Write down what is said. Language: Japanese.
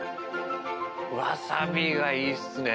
わさびがいいっすね。